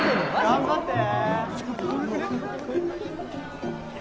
頑張って。